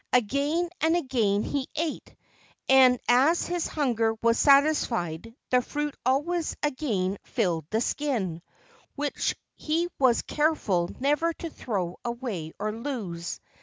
Again and again he ate, and as his hunger was satisfied the fruit always again filled the skin, which he was careful never to throw away or lose.